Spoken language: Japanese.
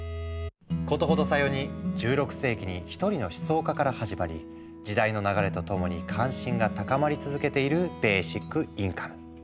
ことほどさように１６世紀に一人の思想家から始まり時代の流れとともに関心が高まり続けているベーシックインカム。